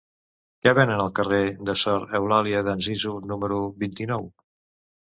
Què venen al carrer de Sor Eulàlia d'Anzizu número vint-i-nou?